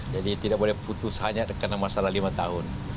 jadi tidak boleh putus hanya karena masalah lima tahun